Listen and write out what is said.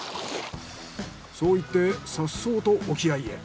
そう言ってさっそうと沖合いへ。